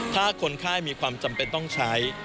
ถ้าคนไข้มีความจำเป็นต้องใช้